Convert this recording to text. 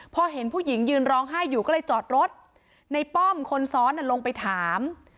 พอเห็นผู้หญิงยืนร้องไห้อยู่ก็เลยจอดรถในป้อมคนซ้อนลงไปถาม